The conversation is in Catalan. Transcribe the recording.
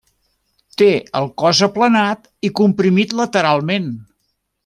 Té el cos aplanat i comprimit lateralment.